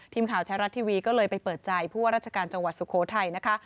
ทีมข่าวแท้รัฐทีวีก็เลยไปเปิดใจผู้ว่าราชการจังหวัดสุโขทัยนะคะ